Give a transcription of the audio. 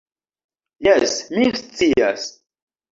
Jes, mi scias.